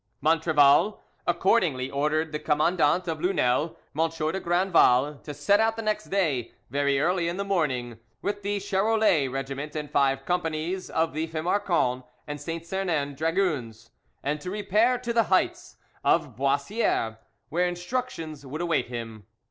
Montrevel accordingly ordered the commandant of Lunel, M. de Grandval, to set out the next day, very early in the morning, with the Charolais regiment and five companies of the Fimarcon and Saint Sernin dragoons, and to repair to the heights of Boissieres, where instructions would await him.